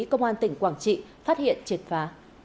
công an tỉnh quảng trị phát hiện triệt phá